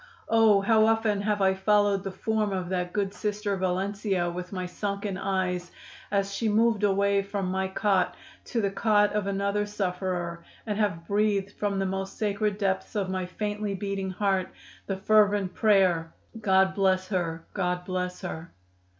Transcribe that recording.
Oh! how often have I followed the form of that good Sister Valencia with my sunken eyes as she moved away from my cot to the cot of another sufferer and have breathed from the most sacred depths of my faintly beating heart the fervent prayer: 'God bless her! God bless her!